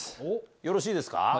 よろしいですか。